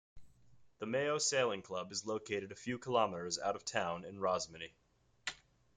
The Mayo Sailing Club is located a few kilometres out of town in Rosmoney.